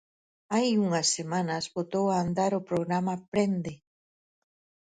Hai unhas semanas botou a andar o programa Prende!